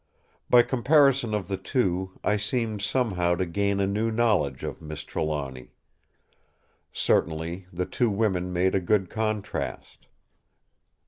By comparison of the two I seemed somehow to gain a new knowledge of Miss Trelawny. Certainly, the two women made a good contrast.